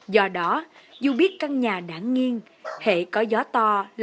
do đó dù biết căn nhà đã nghiêng hệ có gió to